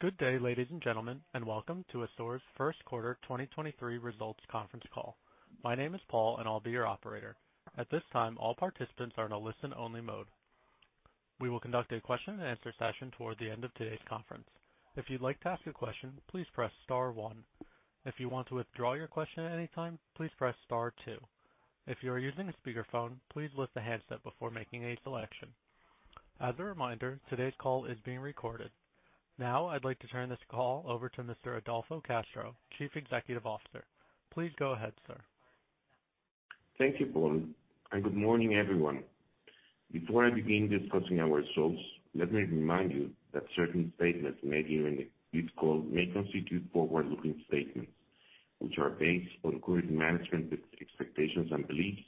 Good day, ladies and gentlemen, and welcome to ASUR's First Quarter 2023 Results Conference Call. My name is Paul, and I'll be your operator. At this time, all participants are in a listen-only mode. We will conduct a question-and-answer session toward the end of today's conference. If you'd like to ask a question, please press star one. If you want to withdraw your question at any time, please press star two. If you are using a speakerphone, please lift the handset before making a selection. As a reminder, today's call is being recorded. Now, I'd like to turn this call over to Mr. Adolfo Castro, Chief Executive Officer. Please go ahead, sir. Thank you, Paul, and good morning, everyone. Before I begin discussing our results, let me remind you that certain statements made during this call may constitute forward-looking statements, which are based on current management expectations and beliefs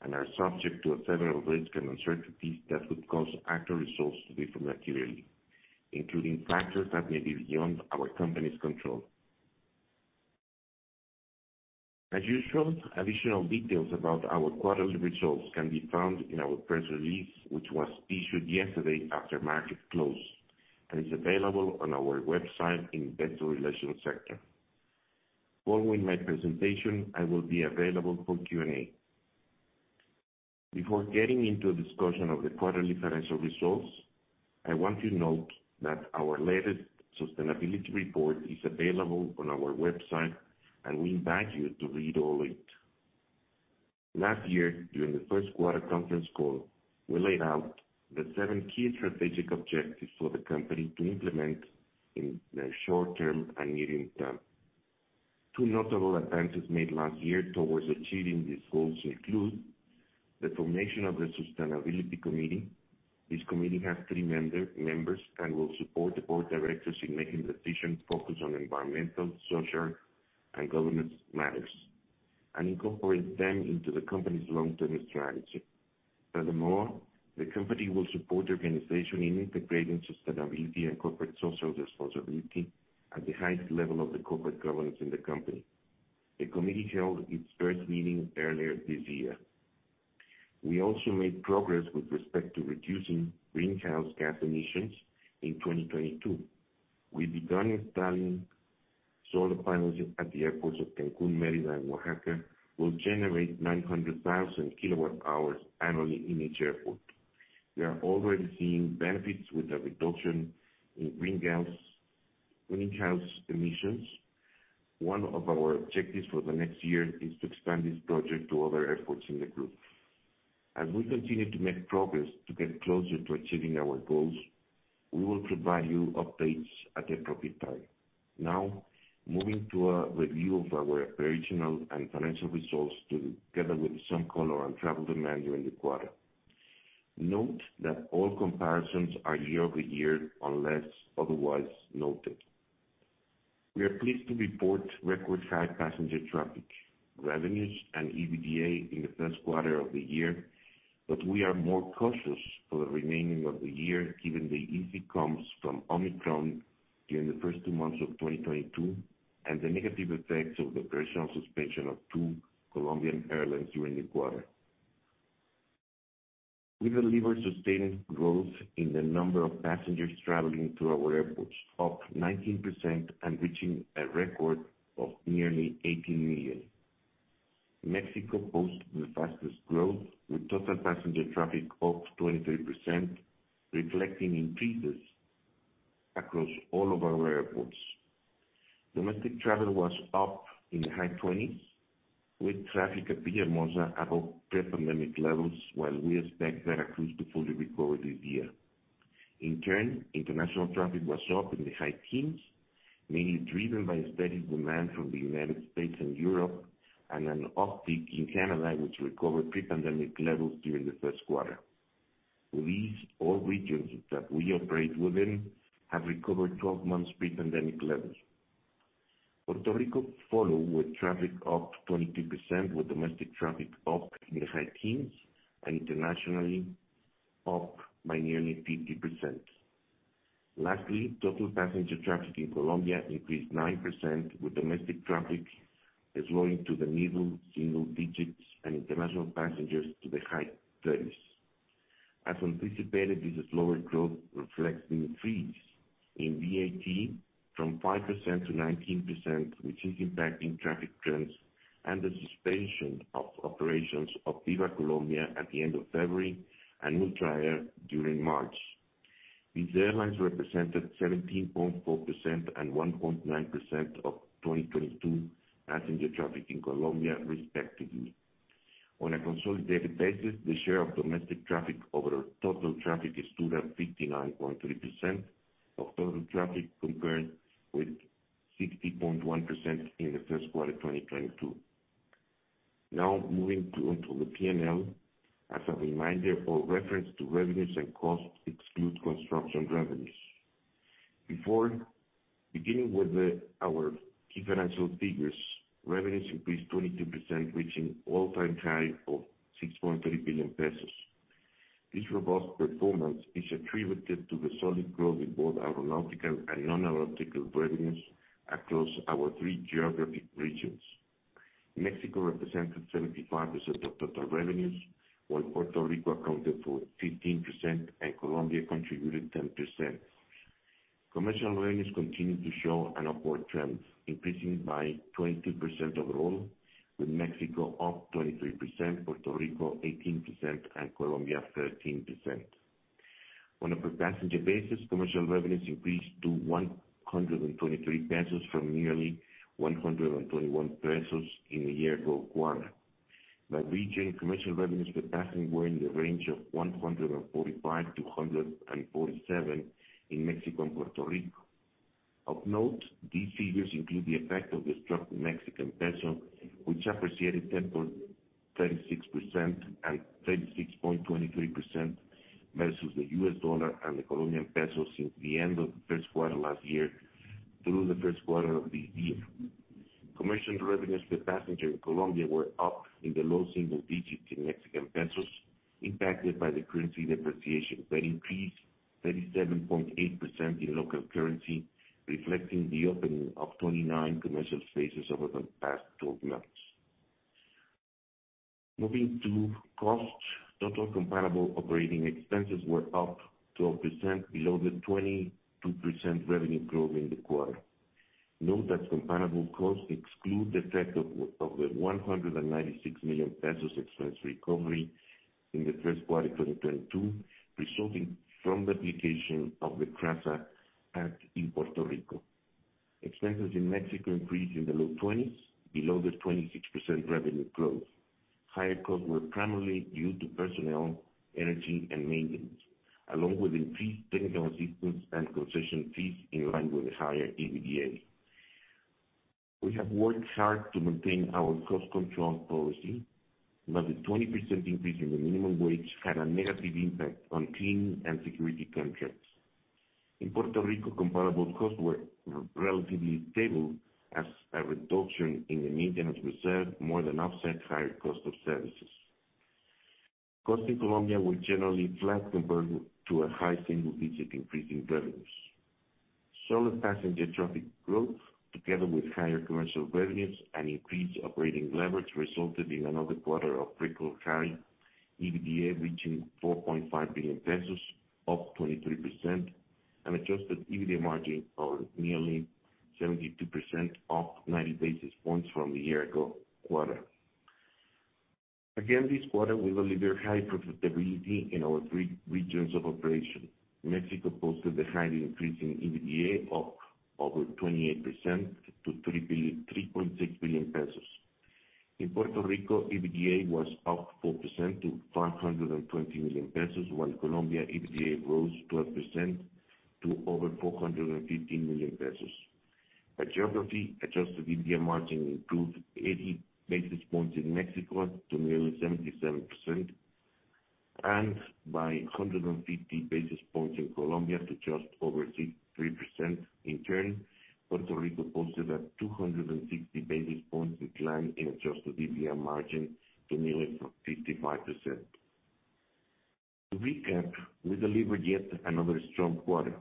and are subject to several risks and uncertainties that could cause actual results to differ materially, including factors that may be beyond our company's control. As usual, additional details about our quarterly results can be found in our press release, which was issued yesterday after market close and is available on our website investor relations sector. Following my presentation, I will be available for Q&A. Before getting into a discussion of the quarterly financial results, I want to note that our latest sustainability report is available on our website, and we invite you to read all it. Last year, during the first quarter conference call, we laid out the seven key strategic objectives for the company to implement in the short term and medium term. Two notable advances made last year towards achieving these goals include the formation of the sustainability committee. This committee has three members and will support the board of directors in making decisions focused on environmental, social, and governance matters, and incorporate them into the company's long-term strategy. The company will support the organization in integrating sustainability and corporate social responsibility at the highest level of the corporate governance in the company. The committee held its first meeting earlier this year. We also made progress with respect to reducing greenhouse gas emissions in 2022. We began installing solar panels at the airports of Cancún, Mérida, and Oaxaca, will generate 900,000 kWh annually in each airport. We are already seeing benefits with a reduction in greenhouse emissions. One of our objectives for the next year is to expand this project to other airports in the group. As we continue to make progress to get closer to achieving our goals, we will provide you updates at the appropriate time. Moving to a review of our original and financial results together with some color on travel demand during the quarter. Note that all comparisons are year-over-year, unless otherwise noted. We are pleased to report record high passenger traffic, revenues, and EBITDA in the first quarter of the year, but we are more cautious for the remaining of the year, given the easy comps from Omicron during the first two months of 2022, and the negative effects of the personal suspension of two Colombian airlines during the quarter. We delivered sustained growth in the number of passengers traveling to our airports, up 19% and reaching a record of nearly 18 million. Mexico posted the fastest growth, with total passenger traffic up 23%, reflecting increases across all of our airports. Domestic travel was up in the high 20s, with traffic at Villahermosa above pre-pandemic levels, while we expect Veracruz to fully recover this year. International traffic was up in the high teens, mainly driven by steady demand from the United States and Europe, and an uptick in Canada, which recovered pre-pandemic levels during the first quarter. These all regions that we operate within have recovered 12 months pre-pandemic levels. Puerto Rico follow with traffic up 22%, with domestic traffic up in the high teens and internationally up by nearly 50%. Lastly, total passenger traffic in Colombia increased 9%, with domestic traffic slowing to the middle single digits and international passengers to the high thirties. As anticipated, this slower growth reflects an increase in VAT from 5% to 19%, which is impacting traffic trends and the suspension of operations of Viva Air Colombia at the end of February and Ultra Air during March. These airlines represented 17.4% and 1.9% of 2022 passenger traffic in Colombia, respectively. On a consolidated basis, the share of domestic traffic over total traffic stood at 59.3% of total traffic compared with 60.1% in the first quarter of 2022. Moving onto the P&L. As a reminder, all reference to revenues and costs exclude construction revenues. Before beginning our key financial figures, revenues increased 22%, reaching all-time high of 6.3 billion pesos. This robust performance is attributed to the solid growth in both aeronautical and non-aeronautical revenues across our three geographic regions. Mexico represented 75% of total revenues, while Puerto Rico accounted for 15% and Colombia contributed 10%. Commercial revenues continued to show an upward trend, increasing by 22% overall, with Mexico up 23%, Puerto Rico 18% and Colombia 13%. On a per passenger basis, commercial revenues increased to 123 pesos from nearly 121 pesos in the year ago quarter. By region, commercial revenues per passenger were in the range of 145-147 in Mexico and Puerto Rico. Of note, these figures include the effect of the strong Mexican peso, which appreciated 10.36% and 36.23% versus the U.S. dollar and the Colombian peso since the end of the first quarter last year through the first quarter of the year. Commercial revenues per passenger in Colombia were up in the low single digits in Mexican pesos impacted by the currency depreciation, but increased 37.8% in local currency, reflecting the opening of 29 commercial spaces over the past 12 months. Moving to costs, total comparable operating expenses were up 12% below the 22% revenue growth in the quarter. Note that comparable costs exclude the effect of the 196 million pesos expense recovery in the first quarter 2022, resulting from the application of the CRRSA Act in Puerto Rico. Expenses in Mexico increased in the low 20s below the 26% revenue growth. Higher costs were primarily due to personnel, energy, and maintenance, along with increased technical assistance and concession fees in line with higher EBITDA. We have worked hard to maintain our cost control policy, the 20% increase in the minimum wage had a negative impact on cleaning and security contracts. In Puerto Rico, comparable costs were relatively stable as a reduction in the maintenance reserve more than offset higher cost of services. Costs in Colombia were generally flat compared to a high single-digit increase in revenues. Solid passenger traffic growth, together with higher commercial revenues and increased operating leverage, resulted in another quarter of record high. EBITDA reaching 4.5 billion pesos, up 23%, and adjusted EBITDA margin of nearly 72%, up 90 basis points from a year-ago quarter. Again this quarter, we delivered high profitability in our three regions of operation. Mexico posted the highest increase in EBITDA of over 28% to 3.6 billion pesos. In Puerto Rico, EBITDA was up 4% to 520 million pesos, while Colombia EBITDA rose 12% to over 415 million pesos. By geography, adjusted EBITDA margin improved 80 basis points in Mexico to nearly 77%, and by 150 basis points in Colombia to just over 3%. In turn, Puerto Rico posted a 260 basis points decline in adjusted EBITDA margin to nearly 55%. To recap, we delivered yet another strong quarter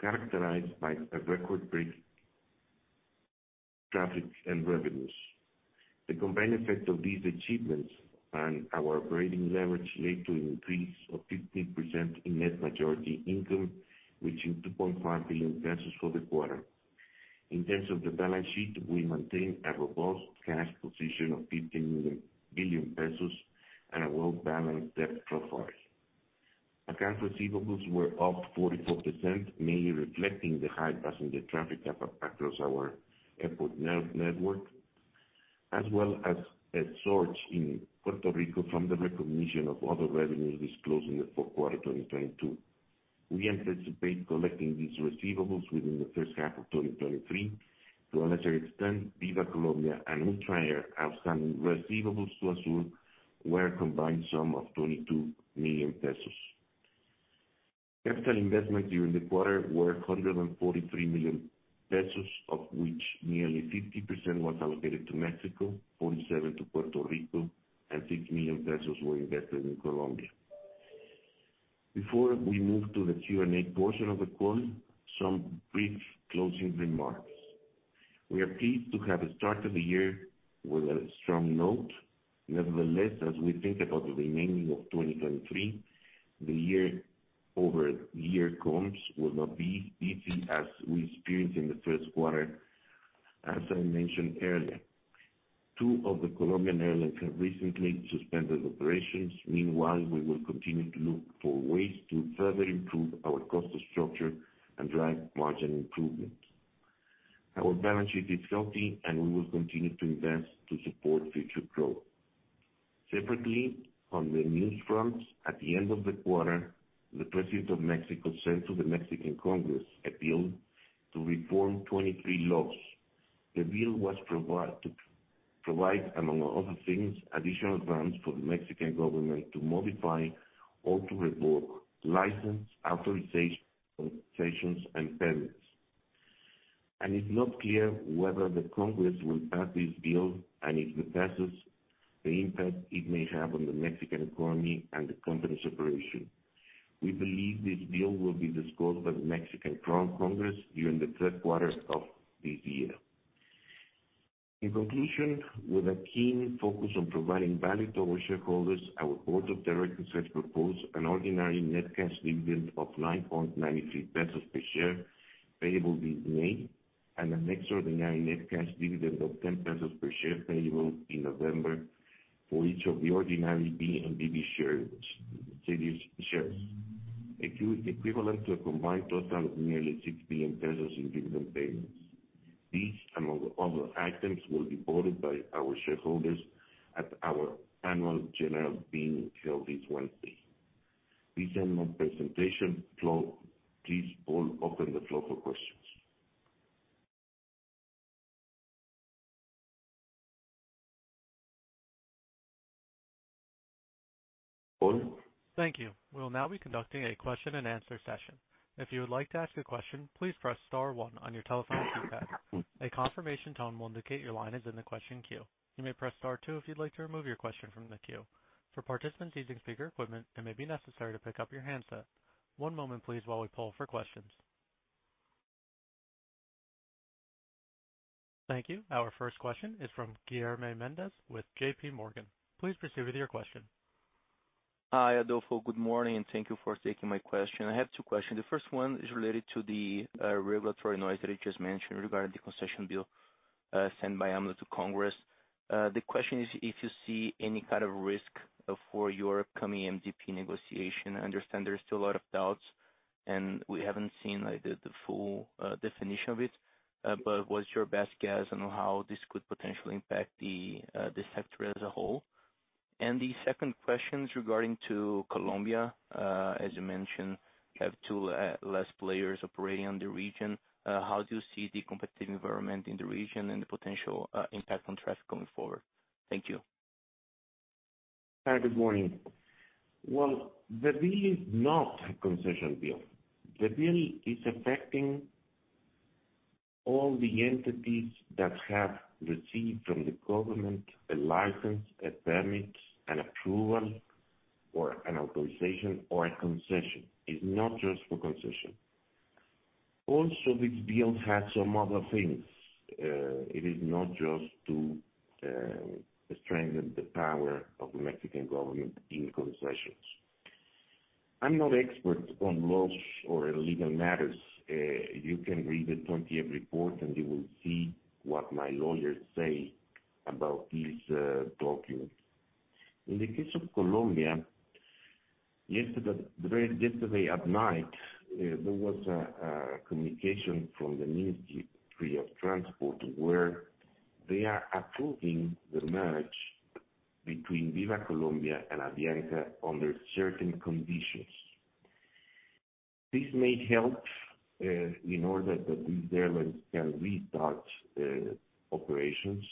characterized by a record-breaking traffic and revenues. The combined effect of these achievements and our operating leverage led to an increase of 15% in net majority income, reaching 2.5 billion pesos for the quarter. In terms of the balance sheet, we maintain a robust cash position of 15 billion pesos and a well-balanced debt profile. Account receivables were up 44%, mainly reflecting the high passenger traffic up across our airport network, as well as a surge in Puerto Rico from the recognition of other revenues disclosed in the fourth quarter 2022. We anticipate collecting these receivables within the first half of 2023. To a lesser extent, Viva Air Colombia and Ultra Air outstanding receivables to ASUR were a combined sum of 22 million pesos. Capital investments during the quarter were 143 million pesos, of which nearly 50% was allocated to Mexico, 47 to Puerto Rico, and 6 million pesos were invested in Colombia. Before we move to the Q&A portion of the call, some brief closing remarks. We are pleased to have started the year with a strong note. As we think about the remaining of 2023, the year-over-year comps will not be easy as we experienced in the first quarter. As I mentioned earlier, two of the Colombian airlines have recently suspended operations. We will continue to look for ways to further improve our cost structure and drive margin improvement. Our balance sheet is healthy, and we will continue to invest to support future growth. Separately, on the news fronts, at the end of the quarter, the President of Mexico sent to the Mexican Congress a bill to reform 23 laws. The bill was to provide, among other things, additional grants for the Mexican Government to modify or to revoke license authorizations and permits. It's not clear whether the Congress will pass this bill and if it passes, the impact it may have on the Mexican economy and the company's operation. We believe this bill will be discussed by the Mexican Congress during the third quarter of this year. In conclusion, with a keen focus on providing value to our shareholders, our board of directors has proposed an ordinary net cash dividend of 9.93 pesos per share payable in May, and an extraordinary net cash dividend of 10 pesos per share payable in November for each of the ordinary B and BB shares, series shares. Equivalent to a combined total of nearly 6 billion pesos in dividend payments. These, among other items, will be voted by our shareholders at our annual general meeting held this Wednesday. This end my presentation. Please, Paul, open the floor for questions. Paul? Thank you. We'll now be conducting a question-and-answer session. If you would like to ask a question, please press star one on your telephone keypad. A confirmation tone will indicate your line is in the question queue. You may press star two if you'd like to remove your question from the queue. For participants using speaker equipment, it may be necessary to pick up your handset. One moment please while we poll for questions. Thank you. Our first question is from Guilherme Mendes with J.P. Morgan. Please proceed with your question. Hi, Adolfo. Good morning, and thank you for taking my question. I have two questions. The first one is related to the regulatory noise that you just mentioned regarding the concession bill sent by AMLO to Congress. The question is if you see any kind of risk for your upcoming MDP negotiation. I understand there are still a lot of doubts, and we haven't seen, like, the full definition of it. What's your best guess on how this could potentially impact the sector as a whole? The second question is regarding to Colombia. As you mentioned, you have two less players operating in the region. How do you see the competitive environment in the region and the potential impact on traffic going forward? Thank you. Hi, good morning. The bill is not a concession bill. The bill is affecting all the entities that have received from the government a license, a permit, an approval, or an authorization or a concession. It's not just for concession. This bill has some other things. It is not just to strengthen the power of the Mexican government in concessions. I'm not expert on laws or in legal matters. You can read the 20-F report, and you will see what my lawyers say about this document. In the case of Colombia, yesterday, very yesterday at night, there was a communication from the Ministry of Transport, where they are approving the merge between Viva Air Colombia and avianca under certain conditions. This may help in order that these airlines can restart operations.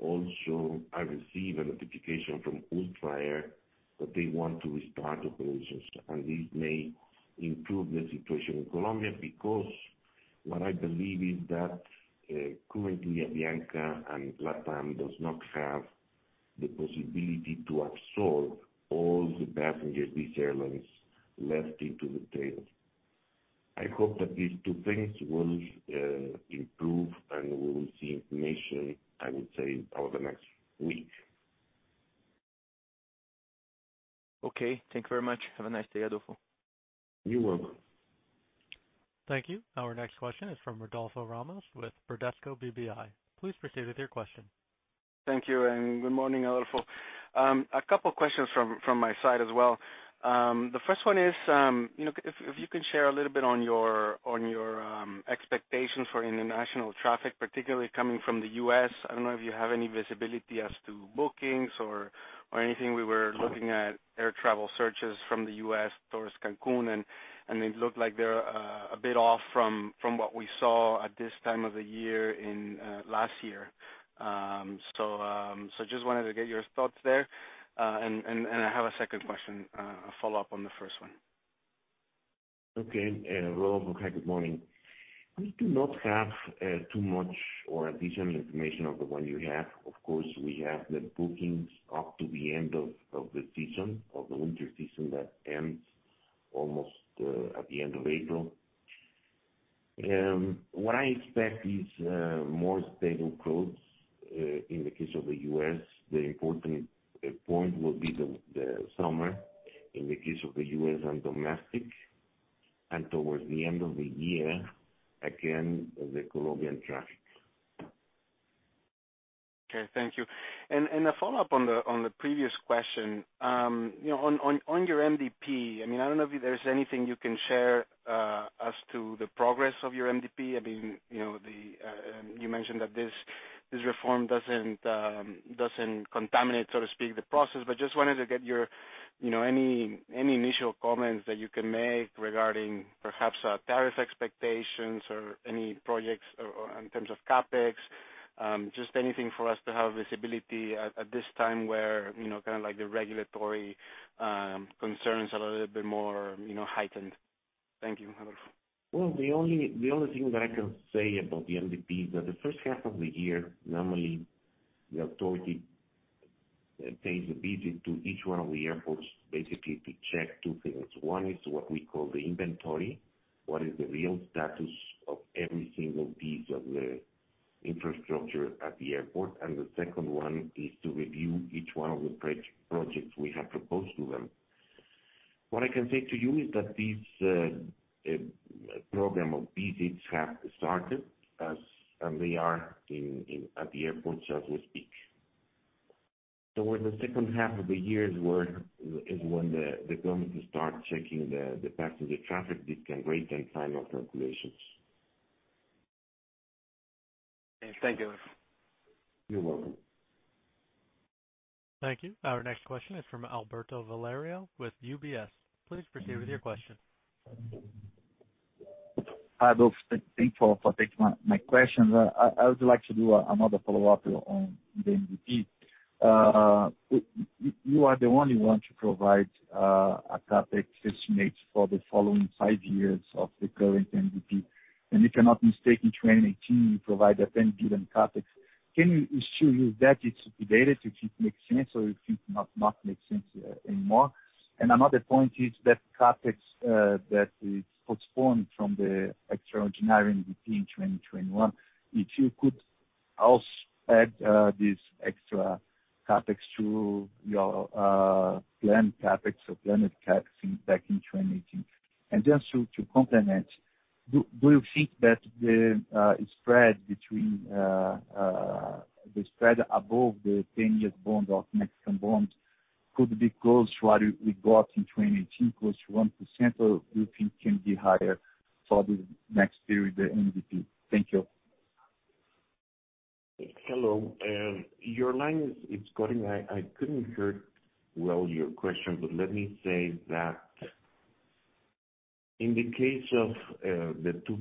Also, I received a notification from Ultra Air that they want to restart operations. This may improve the situation in Colombia because what I believe is that currently avianca and LATAM does not have the possibility to absorb all the passengers these airlines left into the tail. I hope that these two things will improve and we will see information, I would say, over the next week. Okay. Thank you very much. Have a nice day, Adolfo. You're welcome. Thank you. Our next question is from Rodolfo Ramos with Bradesco BBI. Please proceed with your question. Thank you. Good morning, Adolfo. A couple questions from my side as well. The first one is, you know, if you can share a little bit on your expectations for international traffic, particularly coming from the U.S. I don't know if you have any visibility as to bookings or anything. We were looking at air travel searches from the U.S. towards Cancún, and it looked like they're a bit off from what we saw at this time of the year in last year. Just wanted to get your thoughts there. I have a second question, a follow-up on the first one. Okay. Rodolfo, good morning. We do not have too much or a decent information of the one you have. Of course, we have the bookings up to the end of the season, of the winter season that ends almost at the end of April. What I expect is more stable growth in the case of the U.S.. The important point will be the summer in the case of the U.S. and domestic, and towards the end of the year, again, the Colombian traffic. Okay. Thank you. A follow-up on the previous question. you know, on your MDP, I mean, I don't know if there's anything you can share as to the progress of your MDP. I mean, you know, the, you mentioned that this reform doesn't contaminate, so to speak, the process. Just wanted to get your, you know, any initial comments that you can make regarding perhaps tariff expectations or any projects or in terms of CapEx. Just anything for us to have visibility at this time where, you know, kind of like the regulatory concerns are a little bit more, you know, heightened. Thank you, Adolfo. The only thing that I can say about the MDP is that the first half of the year, normally the authority pays a visit to each one of the airports basically to check two things. One is what we call the inventory. What is the real status of every single piece of the infrastructure at the airport. The second one is to review each one of the pre-projects we have proposed to them. What I can say to you is that these program of visits have started and they are at the airports as we speak. The second half of the year is when the government will start checking the passenger traffic, discount rate, and final calculations. Thank you. You're welcome. Thank you. Our next question is from Alberto Valerio with UBS. Please proceed with your question. Hi, Adolfo. Thank you for taking my question. I would like to do another follow-up on the MDP. You are the only one to provide a CapEx estimate for the following five years of the current MDP. If you're not mistaken, in 2018, you provide a 10 billion CapEx. Can you assure you that it's updated, if it makes sense or if it not makes sense anymore? Another point is that CapEx that is postponed from the extraordinary MDP in 2021, if you could add this extra CapEx to your planned CapEx or planned CapEx back in 2018. Just to complement, do you think that the spread between the spread above the 10-year bond of Mexican bonds could be close to what we got in 2018, close to 1%, or do you think can be higher for the next period, the MDP? Thank you. Hello. Your line is cutting. I couldn't hear well your question. Let me say that in the case of the 2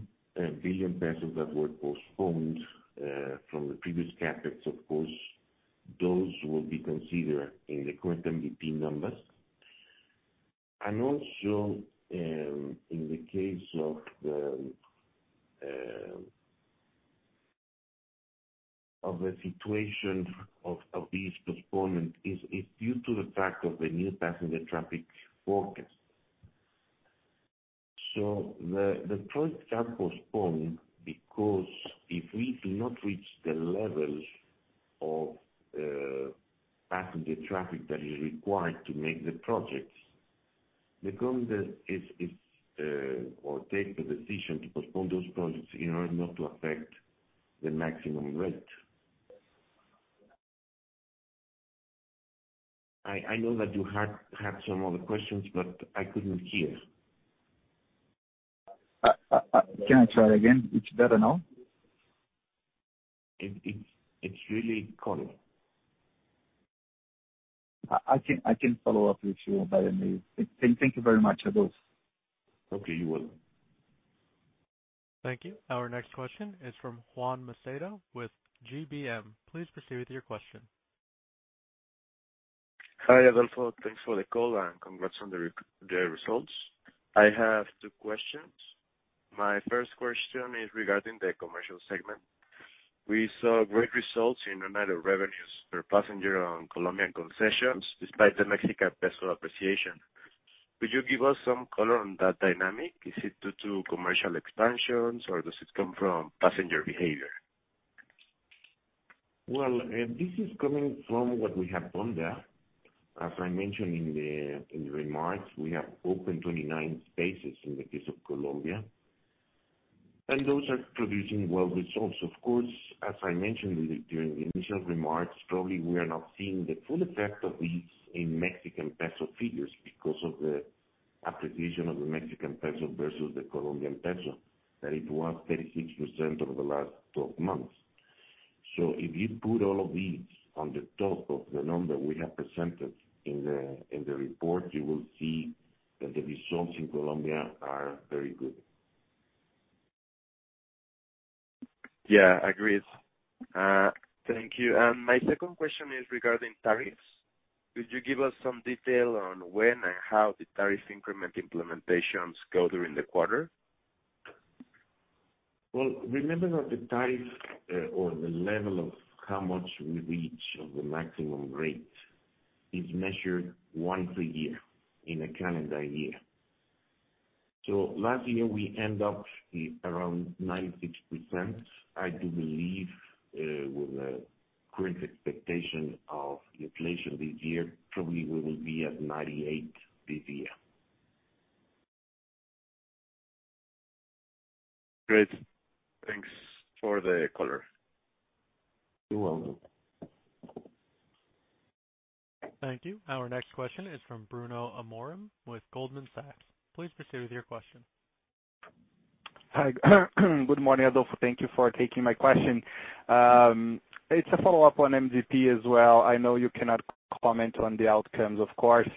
billion pesos that were postponed from the previous CapEx, of course, those will be considered in the current MDP numbers. Also, in the case of the situation of this postponement is due to the fact of the new passenger traffic forecast. The project got postponed because if we do not reach the levels of passenger traffic that is required to make the projects, the government is or take the decision to postpone those projects in order not to affect the maximum rate. I know that you had some other questions. I couldn't hear. Can I try again? It's better now? It's really cutting. I can follow up with you by email. Thank you very much, Adolfo. Okay, you're welcome. Thank you. Our next question is from Juan Macedo with GBM. Please proceed with your question. Hi, Adolfo. Thanks for the call, congrats on the results. I have two questions. My first question is regarding the commercial segment. We saw great results in non-aero revenues per passenger on Colombian concessions despite the Mexican peso appreciation. Could you give us some color on that dynamic? Is it due to commercial expansions, or does it come from passenger behavior? Well, this is coming from what we have done there. As I mentioned in the remarks, we have opened 29 spaces in the case of Colombia, and those are producing well results. Of course, as I mentioned during the initial remarks, probably we are not seeing the full effect of these in Mexican peso figures because of the appreciation of the Mexican peso versus the Colombian peso, that it was 36% over the last 12 months. If you put all of these on the top of the number we have presented in the report, you will see that the results in Colombia are very good. Yeah, agreed. Thank you. My second question is regarding tariffs. Could you give us some detail on when and how the tariff increment implementations go during the quarter? Remember that the tariff, or the level of how much we reach of the maximum rate, is measured once a year in a calendar year. Last year we end up around 96%. I do believe, with the current expectation of inflation this year, probably we will be at 98% this year. Great. Thanks for the color. You're welcome. Thank you. Our next question is from Bruno Amorim with Goldman Sachs. Please proceed with your question. Hi. Good morning, Adolfo. Thank you for taking my question. It's a follow-up on MDP as well. I know you cannot comment on the outcomes, of course,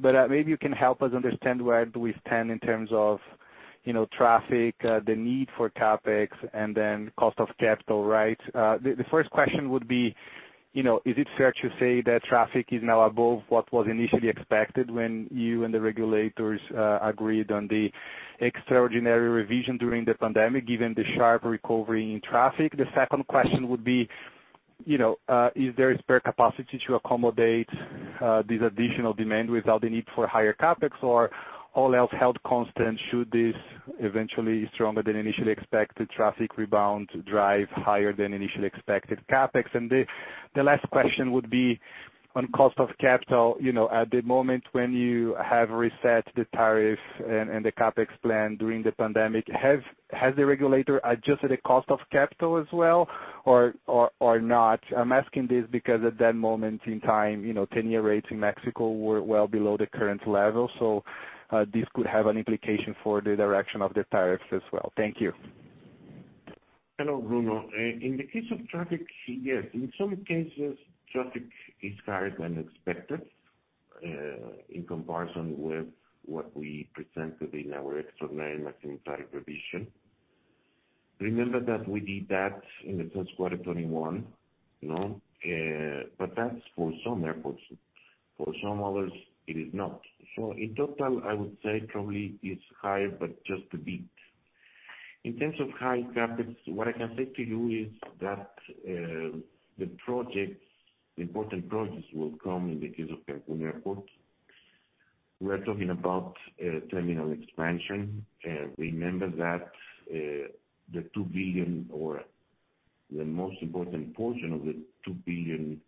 but maybe you can help us understand where do we stand in terms of, you know, traffic, the need for CapEx, and then cost of capital, right? The first question would be, you know, is it fair to say that traffic is now above what was initially expected when you and the regulators agreed on the extraordinary revision during the pandemic, given the sharp recovery in traffic? The second question would be. You know, is there spare capacity to accommodate this additional demand without the need for higher CapEx? All else held constant, should this eventually stronger than initially expected traffic rebound drive higher than initially expected CapEx? The last question would be on cost of capital. You know, at the moment when you have reset the tariff and the CapEx plan during the pandemic, has the regulator adjusted the cost of capital as well or, or not? I'm asking this because at that moment in time, you know, 10-year rates in Mexico were well below the current level, so, this could have an implication for the direction of the tariffs as well. Thank you. Hello, Bruno. In the case of traffic, yes, in some cases traffic is higher than expected, in comparison with what we presented in our extraordinary maximum tariff revision. Remember that we did that in the first quarter 2021, you know. But that's for some airports. For some others, it is not. In total, I would say probably it's high, but just a bit. In terms of high CapEx, what I can say to you is that the projects, important projects will come in the case of Cancún Airport. We are talking about terminal expansion. Remember that the $2 billion or the most important portion of the $2 billion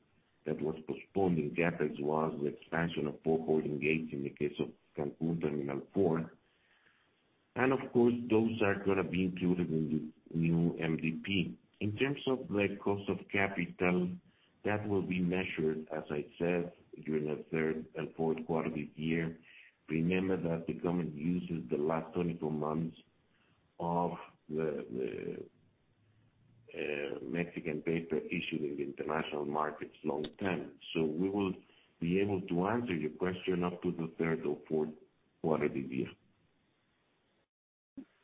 that was postponed in CapEx was the expansion of board holding gates in the case of Cancún Terminal 4. Of course, those are gonna be included in the new MDP. In terms of the cost of capital, that will be measured, as I said, during the third and fourth quarter this year. Remember that the government uses the last 24 months of the Mexican paper issued in the international markets long term. We will be able to answer your question up to the third or fourth quarter this year.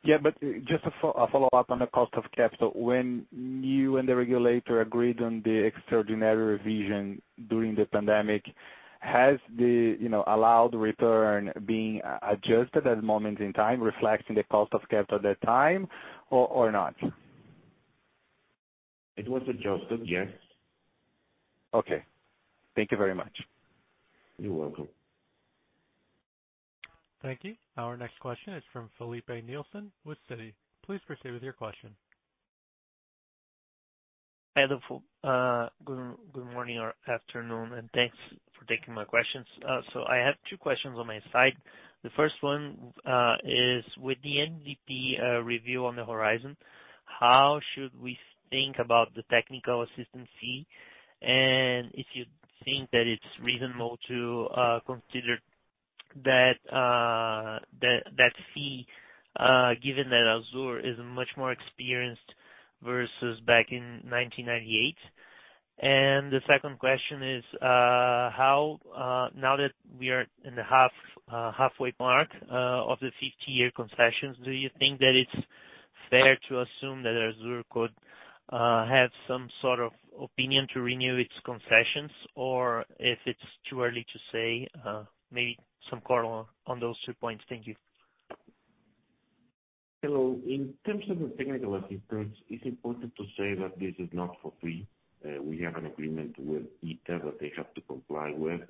Yeah. Just a follow-up on the cost of capital. When you and the regulator agreed on the extraordinary revision during the pandemic, has the, you know, allowed return being adjusted at moment in time reflecting the cost of capital at that time or not? It was adjusted, yes. Okay. Thank you very much. You're welcome. Thank you. Our next question is from Filipe Nielsen with Citi. Please proceed with your question. Hi, Adolfo. Good morning or afternoon, thanks for taking my questions. I have two questions on my side. The first one is with the MDP review on the horizon, how should we think about the technical assistance fee? If you think that it's reasonable to consider that fee given that ASUR is much more experienced versus back in 1998. The second question is how now that we are in the halfway mark of the 50-year concessions, do you think that it's fair to assume that ASUR could have some sort of opinion to renew its concessions? If it's too early to say, maybe some color on those two points. Thank you. Hello. In terms of the technical assistance, it's important to say that this is not for free. We have an agreement with ITA that they have to comply with.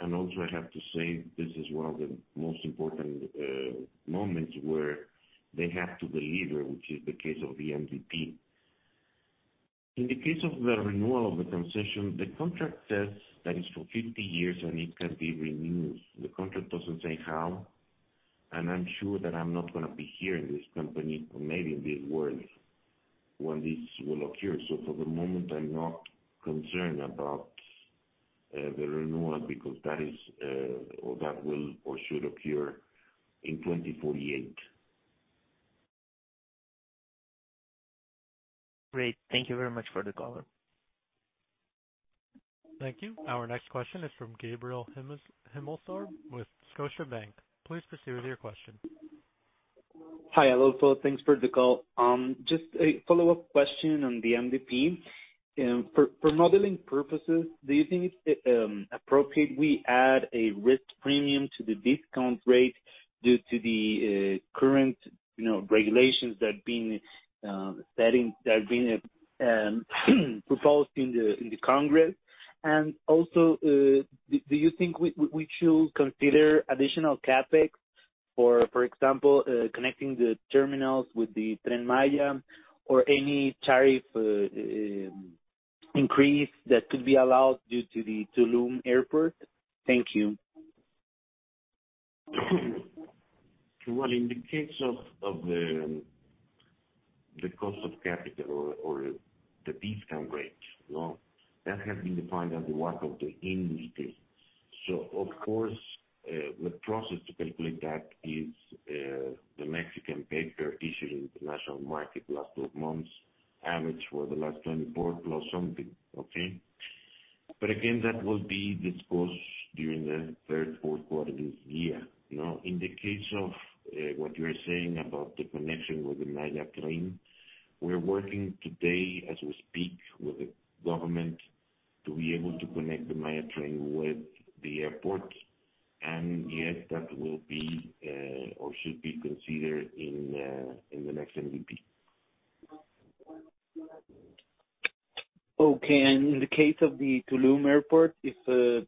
Also I have to say this is one of the most important moments where they have to deliver, which is the case of the MDP. In the case of the renewal of the concession, the contract says that it's for 50 years, and it can be renewed. The contract doesn't say how, and I'm sure that I'm not gonna be here in this company or maybe in this world when this will occur. For the moment, I'm not concerned about the renewal because that is or that will or should appear in 2048. Great. Thank you very much for the call. Thank you. Our next question is from Gabriel Himelfarb with Scotiabank. Please proceed with your question. Hi, Adolfo. Thanks for the call. Just a follow-up question on the MDP. For modeling purposes, do you think it's appropriate we add a risk premium to the discount rate due to the current, you know, regulations that are being proposed in the Congress? Also, do you think we should consider additional CapEx for example, connecting the terminals with the Tren Maya or any tariff increase that could be allowed due to the Tulum Airport? Thank you. Well, in the case of the cost of capital or the discount rate, you know, that has been defined as the work of the MDP. Of course, the process to calculate that is the Mexican paper issued in the international market the last 12 months, average for the last 24 plus something. Okay? Again, that will be disclosed during the third, fourth quarter this year. You know, in the case of what you're saying about the connection with the Maya Train, we're working today as we speak with the government. To be able to connect the Maya Train with the airport. Yes, that will be or should be considered in the next MDP. Okay. in the case of the Tulum Airport, if the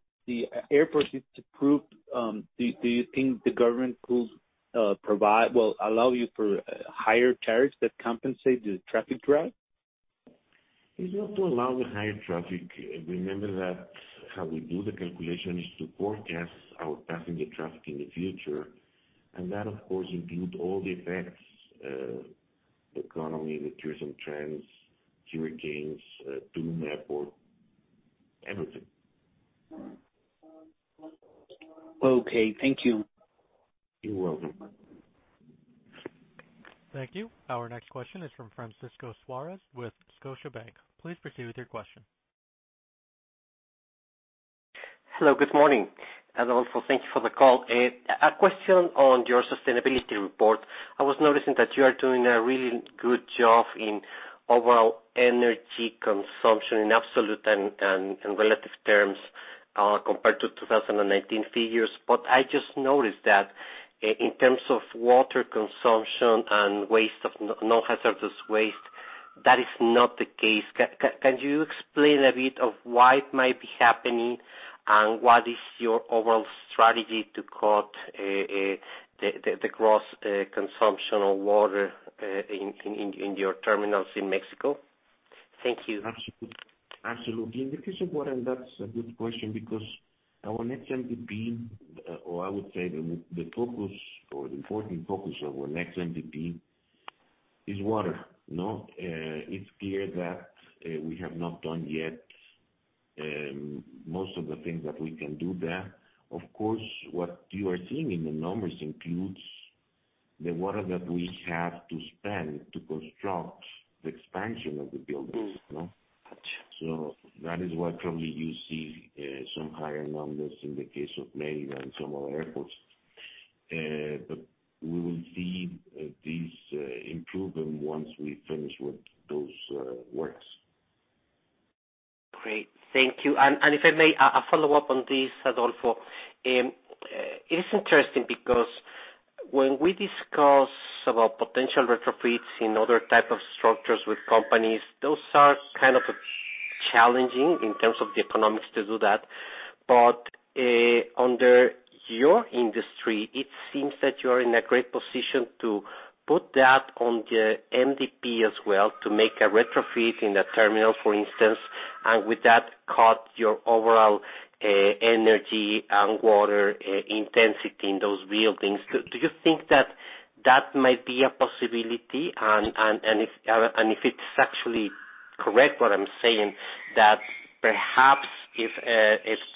airport is approved, do you think the government Will allow you for higher charges that compensate the traffic growth? Is not to allow the higher traffic. Remember that how we do the calculation is to forecast our passenger traffic in the future, and that of course include all the effects, the economy, the tourism trends, hurricanes, Tulum airport, everything. Okay. Thank you. You're welcome. Thank you. Our next question is from Francisco Suárez with Scotiabank. Please proceed with your question. Hello, good morning. Also thank you for the call. A question on your sustainability report. I was noticing that you are doing a really good job in overall energy consumption in absolute and relative terms, compared to 2019 figures. I just noticed that in terms of water consumption and waste of no hazardous waste, that is not the case. Can you explain a bit of why it might be happening and what is your overall strategy to cut the cross consumption of water in your terminals in Mexico? Thank you. Absolutely. In the case of water, that's a good question because our next MDP, or I would say the focus or the important focus of our next MDP is water, you know? It's clear that we have not done yet, most of the things that we can do there. Of course, what you are seeing in the numbers includes the water that we have to spend to construct the expansion of the buildings, you know? Gotcha. That is why probably you see some higher numbers in the case of Mexico and some other airports. We will see these improvement once we finish with those works. Great. Thank you. If I may, a follow-up on this, Adolfo. It is interesting because when we discuss about potential retrofits in other type of structures with companies, those are kind of challenging in terms of the economics to do that. Under your industry, it seems that you are in a great position to put that on the MDP as well to make a retrofit in the terminal, for instance, and with that, cut your overall energy and water intensity in those buildings. Do you think that that might be a possibility? If it's actually correct what I'm saying, that perhaps if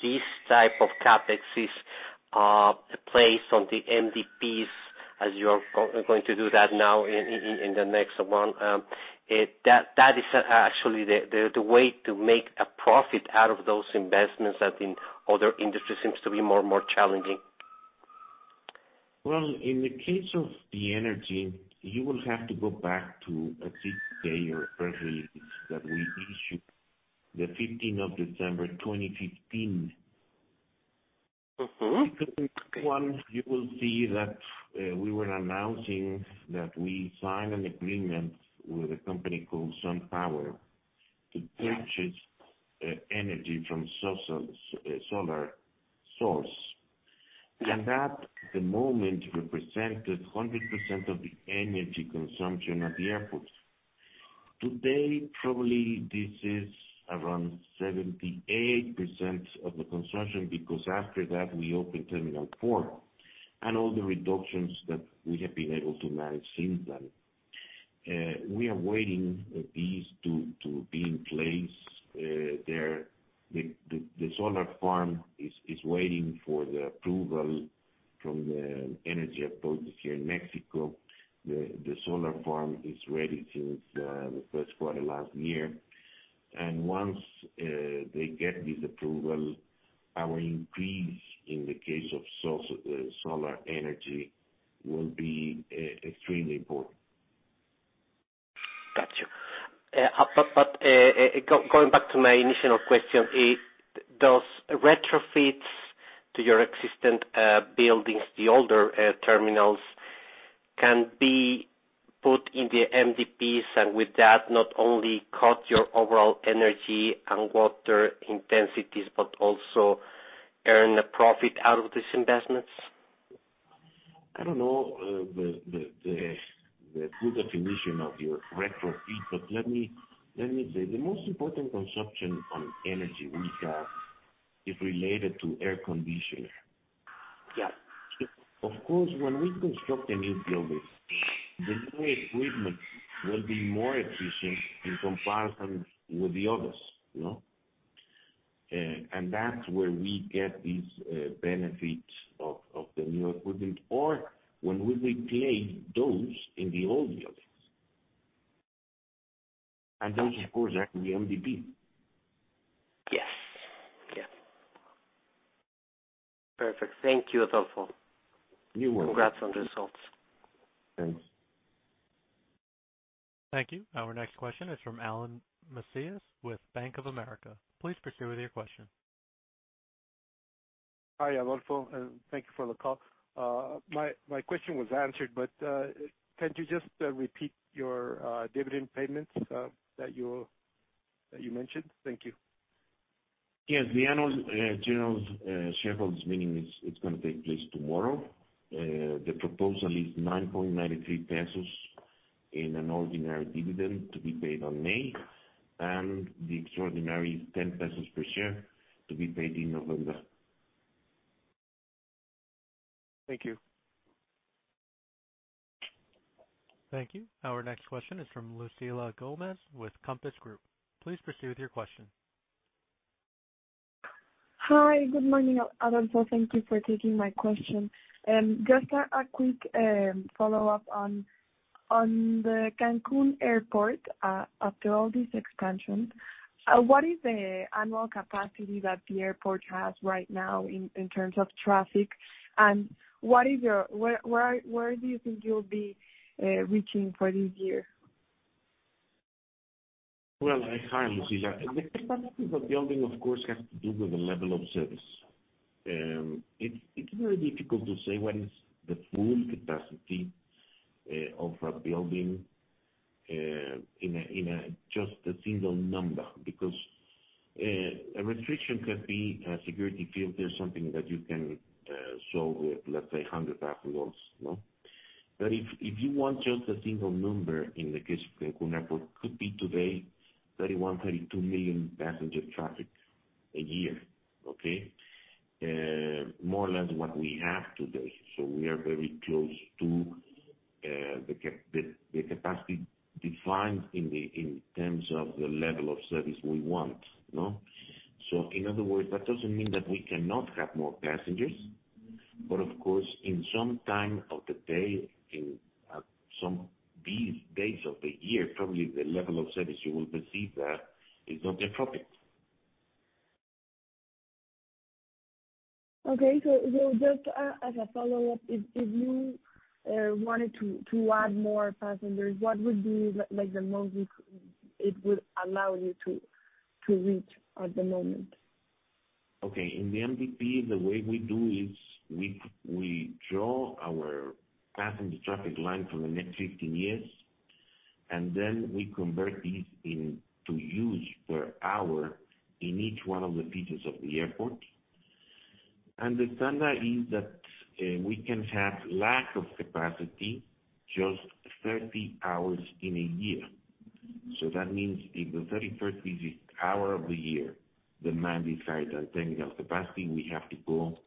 this type of CapEx is placed on the MDPs as you are going to do that now in the next one, that is actually the way to make a profit out of those investments that in other industries seems to be more and more challenging. Well, in the case of the energy, you will have to go back to a big day or press release that we issued the 15th of December, 2015. Mm-hmm. Okay. One, you will see that we were announcing that we signed an agreement with a company called SunPower to purchase energy from solar source. That, the moment represented 100% of the energy consumption at the airports. Today, probably this is around 78% of the consumption because after that we opened Terminal 4 and all the reductions that we have been able to manage since then. We are waiting these to be in place. The solar farm is waiting for the approval from the energy authorities here in Mexico. The solar farm is ready since the 1st quarter last year. Once, they get this approval, our increase in the case of solar energy will be extremely important. Got you. Going back to my initial question, does retrofits to your existing buildings, the older terminals can be put in the MDPs and with that, not only cut your overall energy and water intensities but also earn a profit out of these investments? I don't know, the good definition of your retrofit, let me say. The most important consumption on energy we have is related to air conditioning. Yeah. Of course, when we construct a new building, the new equipment will be more efficient in comparison with the others, you know? That's where we get these benefits of the new equipment or when we replace those in the old buildings. Those of course are in the MDP. Yes. Yeah. Perfect. Thank you, Adolfo. You're welcome. Congrats on the results. Thanks. Thank you. Our next question is from Alan Macias with Bank of America. Please proceed with your question. Hi, Adolfo. Thank you for the call. My question was answered, but can you just repeat your dividend payments that you mentioned? Thank you. Yes. The annual general shareholders meeting it's gonna take place tomorrow. The proposal is 9.93 pesos in an ordinary dividend to be paid on May, and the extraordinary is 10 pesos per share to be paid in November. Thank you. Thank you. Our next question is from Lucila Gomez with Compass Group. Please proceed with your question. Hi. Good morning, Adolfo. Thank you for taking my question. Just a quick follow-up on the Cancún Airport after all this expansion. What is the annual capacity that the airport has right now in terms of traffic? Where do you think you'll be reaching for this year? Hi, Lucila. The capacity of a building, of course, has to do with the level of service. It's very difficult to say what is the full capacity of a building in a just a single number. A restriction can be a security filter or something that you can solve with, let's say, $100,000, you know? If you want just a single number in the case of Cancún Airport could be today 31 million-32 million passenger traffic a year. Okay? More or less what we have today. We are very close to the capacity defined in terms of the level of service we want. You know? In other words, that doesn't mean that we cannot have more passengers. Of course, in some time of the day, in some these days of the year, probably the level of service you will receive there is not appropriate. Just as a follow-up, if you wanted to add more passengers, what would be like the most it would allow you to reach at the moment? Okay. In the MDP, the way we do is we draw our passenger traffic line for the next 15 years, and then we convert these into use per hour in each one of the features of the airport. The standard is that we can have lack of capacity just 30 hours in a year. That means if the 31st visit hour of the year, demand decides that technical capacity, we have to go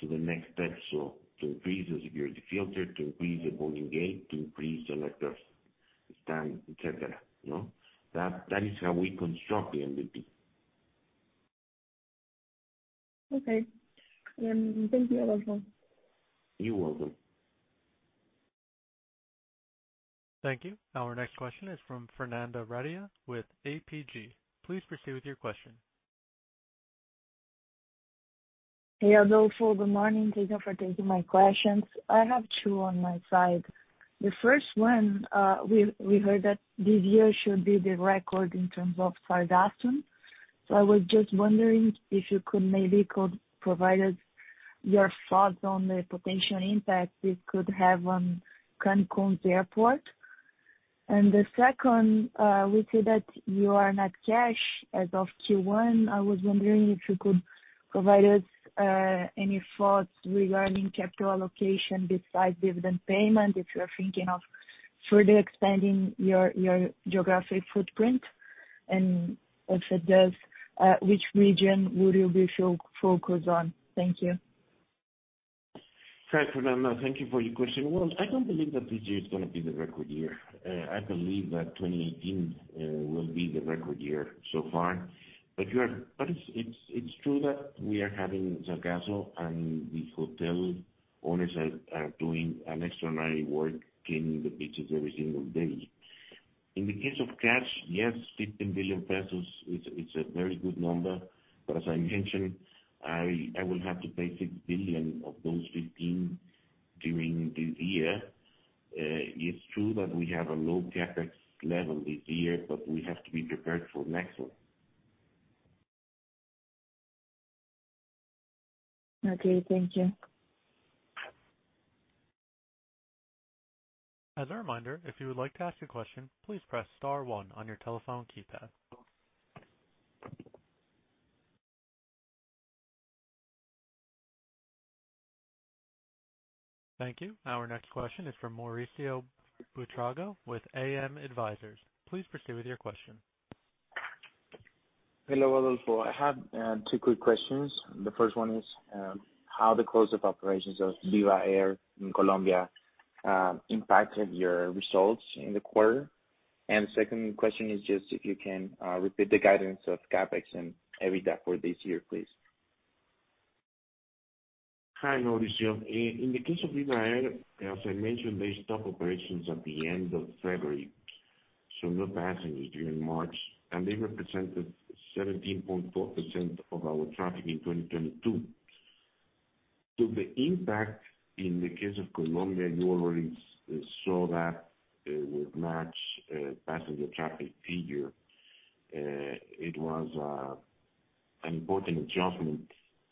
to the next step. To increase the security filter, to increase the boarding gate, to increase the letters stand, et cetera. You know? That is how we construct the MDP. Okay. Thank you, Adolfo. You're welcome. Thank you. Our next question is from Fernanda Redia with BTG. Please proceed with your question. Hey, Adolfo. Good morning. Thank you for taking my questions. I have two on my side. The first one, we heard that this year should be the record in terms of sargassum. I was just wondering if you could provide us your thoughts on the potential impact this could have on Cancún's airport. The second, we see that you are net cash as of Q1. I was wondering if you could provide us any thoughts regarding capital allocation besides dividend payment, if you're thinking of further expanding your geographic footprint. If it does, which region would you be focused on? Thank you. Hi, Fernanda. Thank you for your question. Well, I don't believe that this year is gonna be the record year. I believe that 2018 will be the record year so far. It's, it's true that we are having sargassum, and the hotel owners are doing an extraordinary work cleaning the beaches every single day. In the case of cash, yes, 15 billion pesos is a very good number, but as I mentioned, I will have to pay 6 billion of those 15 during this year. It's true that we have a low CapEx level this year, but we have to be prepared for next one. Okay, thank you. As a reminder, if you would like to ask a question, please press star one on your telephone keypad. Thank you. Our next question is from Mauricio Buitrago with AM Advisors. Please proceed with your question. Hello, Adolfo. I have two quick questions. The first one is how the close of operations of Viva Air in Colombia impacted your results in the quarter? Second question is just if you can repeat the guidance of CapEx and EBITDA for this year, please. Hi, Mauricio. In the case of Viva Air Colombia, as I mentioned, they stopped operations at the end of February, so no passengers during March, and they represented 17.4% of our traffic in 2022. The impact in the case of Colombia, you already saw that with March passenger traffic figure. It was an important adjustment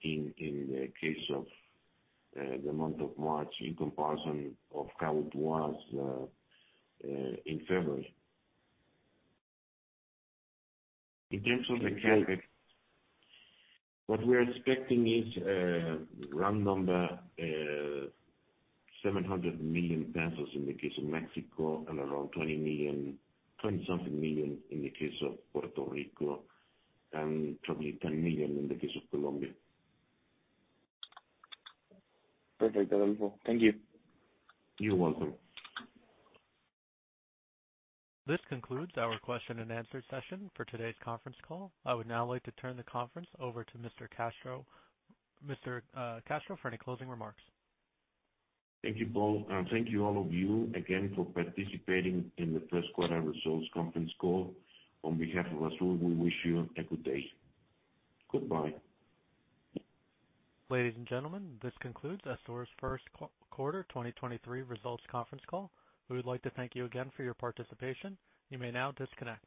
in the case of the month of March in comparison of how it was in February. In terms of the CapEx, what we are expecting is round number 700 million pesos in the case of Mexico and around 20 million, 20 something million in the case of Puerto Rico, and probably 10 million in the case of Colombia. Perfect. Adolfo. Thank you. You're welcome. This concludes our question-and-answer session for today's conference call. I would now like to turn the conference over to Mr. Castro. Mr. Castro, for any closing remarks. Thank you, Paul, and thank you all of you again for participating in the first quarter results conference call. On behalf of ASUR, we wish you a good day. Goodbye. Ladies and gentlemen, this concludes ASUR's First Quarter 2023 Results Conference Call. We would like to thank you again for your participation. You may now disconnect.